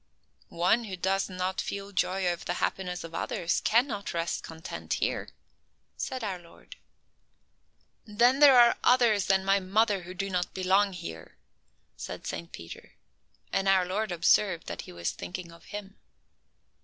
"One who does not feel joy over the happiness of others can not rest content here," said our Lord. "Then there are others than my mother who do not belong here," said Saint Peter, and our Lord observed that he was thinking of Him.